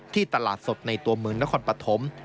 ตลาดสดในตัวเมืองนครปฐม